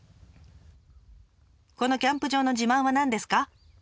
このキャンプ場の自慢は何ですか？